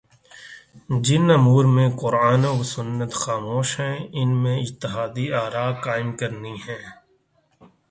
جن امور میں قرآن و سنت خاموش ہیں ان میں اجتہادی آراقائم کرنی ہیں